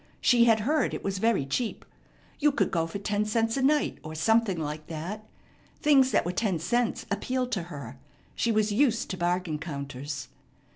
She had heard it was very cheap. You could go for ten cents a night, or something like that. Things that were ten cents appealed to her. She was used to bargain counters.